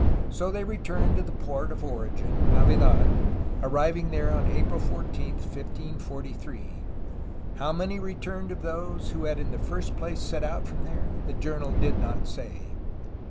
So they returned to the port of origin, Navidad, arriving there on April 14, 1543. How many re turned of those who had in the first place set out from there the journal did not say.